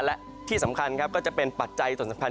และที่สำคัญครับก็จะเป็นปัจจัยส่วนสำคัญ